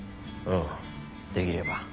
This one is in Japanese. うんできれば。